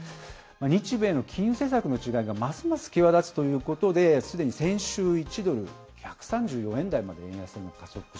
日米の金融政策の違いがますます際立つということで、すでに先週、１ドル１３４円台まで円安に加速